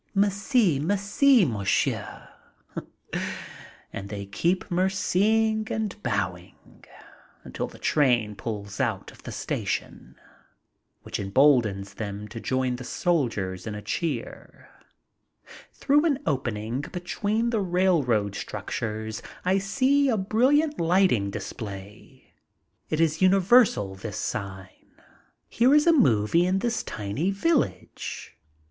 "Merci, merci, monsieur." And they keep "merciing" and bowing until the train pulls out of the station, which emboldens them to join the soldiers in a cheer. Through an opening between the railroad structures I see a brilliant lighting display. It is universal, this sign. Here is a movie in this tiny village.